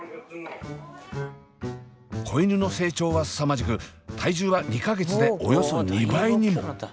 子犬の成長はすさまじく体重は２か月でおよそ２倍にも。